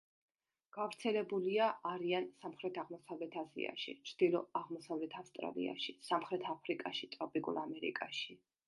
გავრცელებულია არიან სამხრეთ-აღმოსავლეთ აზიაში, ჩრდილო-აღმოსავლეთ ავსტრალიაში, სამხრეთ აფრიკაში, ტროპიკულ ამერიკაში.